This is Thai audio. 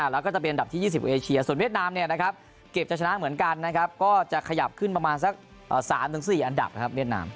แล้วก็จะเป็นอันดับที่๒๐เอเชียส่วนเวียดนามเก็บจะชนะเหมือนกันนะครับก็จะขยับขึ้นประมาณสัก๓๔อันดับนะครับเวียดนาม